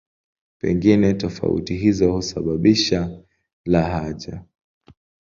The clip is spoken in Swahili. Pengine tofauti hizo husababisha lahaja.